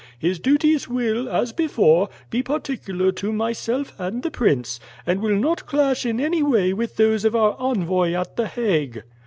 His duties will, as before, be particular to myself and the prince, and will not clash in any way with those of our envoy at the Hague."